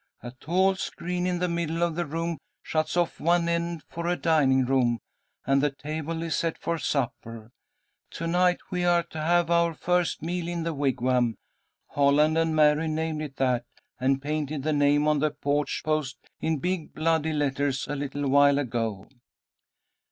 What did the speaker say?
A tall screen in the middle of the room shuts off one end for a dining room, and the table is set for supper. To night we are to have our first meal in the wigwam. Holland and Mary named it that, and painted the name on the porch post in big bloody letters a little while ago.